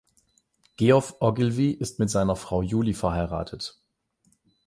Geoff Ogilvy ist mit seiner Frau Juli verheiratet.